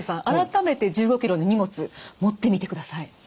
改めて１５ｋｇの荷物持ってみてください。